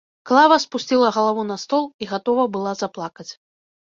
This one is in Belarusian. Клава спусціла галаву на стол і гатова была заплакаць.